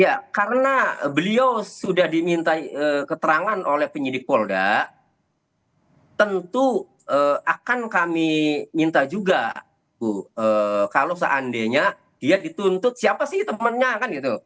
ya karena beliau sudah diminta keterangan oleh penyidik polda tentu akan kami minta juga kalau seandainya dia dituntut siapa sih temannya kan gitu